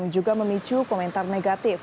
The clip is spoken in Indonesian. juga memicu komentar negatif